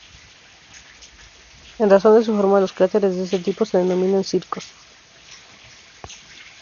En razón de su forma, los cráteres de ese tipo se denominan circos.